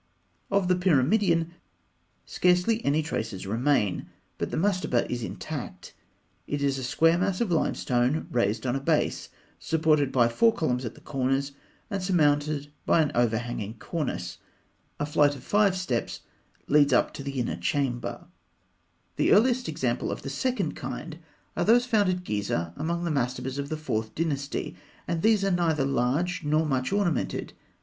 Of the pyramidion, scarcely any traces remain; but the mastaba is intact. It is a square mass of limestone, raised on a base, supported by four columns at the corners, and surmounted by an overhanging cornice; a flight of five steps leads up to the inner chamber (fig. 149). [Illustration: Fig. 149. Section of Apis tomb, tempo Amenhotep III.] The earliest examples of the second kind are those found at Gizeh among the mastabas of the Fourth Dynasty, and these are neither large nor much ornamented.